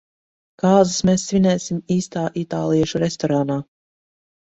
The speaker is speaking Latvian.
Kāzas mēs svinēsim īstā itāliešu restorānā.